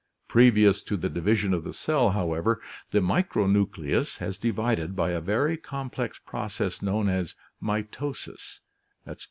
Previous to the division of the cell, however, the micronucleus has 26 ORGANIC EV6LUTION divided by a very complex process known as mitosis (Gr.